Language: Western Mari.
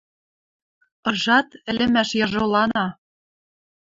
Ыжат, ӹлӹмӓш яжолана.